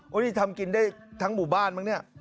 นี่ทำกินได้ทั้งหมู่บ้านมั้งเนี่ย